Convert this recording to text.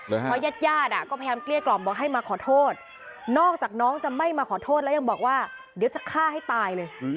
เพราะญาติญาติก็พยายามเกลี้ยกล่อมบอกให้มาขอโทษนอกจากน้องจะไม่มาขอโทษแล้วยังบอกว่าเดี๋ยวจะฆ่าให้ตายเลย